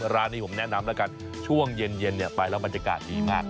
ร้านนี้ผมแนะนำแล้วกันช่วงเย็นไปแล้วบรรยากาศดีมาก